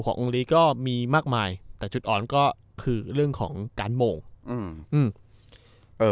ขององค์เรียก็มีมากมายแต่จุดอ่อนก็คือเรื่องของการโมงอืม